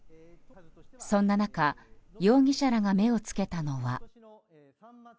そんな中容疑者らが目を付けたのは。